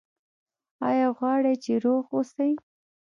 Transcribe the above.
ایا غواړئ چې روغ اوسئ؟